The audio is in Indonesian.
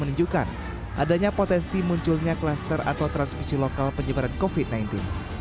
menunjukkan adanya potensi munculnya klaster atau transmisi lokal penyebaran covid sembilan belas